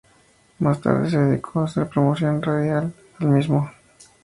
Más tarde se dedicó a hacer promoción radial al mismo.